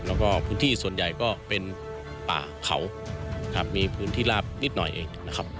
แล้วก็พื้นที่ส่วนใหญ่ก็เป็นป่าเขาครับมีพื้นที่ลาบนิดหน่อยเองนะครับ